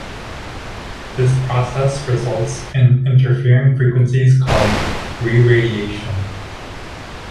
This process results in interfering frequencies called reradiation.